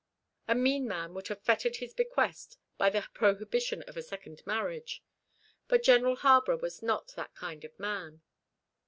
A mean man would have fettered his bequest by the prohibition of a second marriage; but General Harborough was not that kind of man.